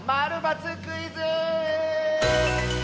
○×クイズ」！